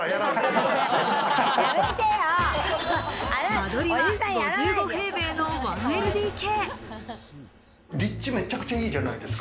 間取りは５５平米の１ＬＤＫ。